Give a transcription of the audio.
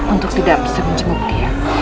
untuk tidak bisa menjenguk dia